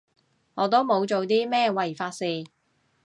我都冇做啲咩違法事